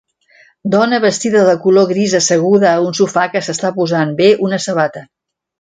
Dona vestida de color gris asseguda en un sofà que s'està posant bé una sabata.